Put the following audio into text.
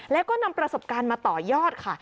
แล้วก็นำประสบการณ์มาต่อยอดค่ะ